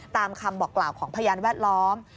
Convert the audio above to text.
ตามคำบอกกล่าวของพยานแวดล้อม